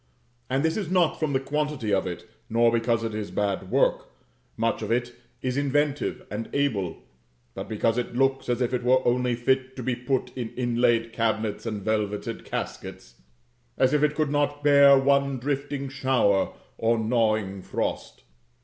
And this is not from the quantity of it, nor because it is bad work much of it is inventive and able; but because it looks as if it were only fit to be put in inlaid cabinets and velveted caskets, and as if it could not bear one drifting shower or gnawing frost.